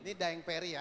jadi ini daeng ferry ya